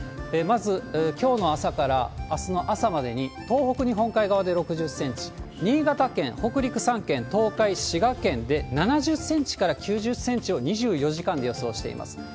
まず、きょうの朝からあすの朝までに、東北、日本海側で６０センチ、新潟県、北陸３県、東海、滋賀県で７０センチから９０センチを２４時間で予想しています。